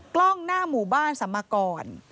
กล้องหน้าหมู่บ้านสัมมากร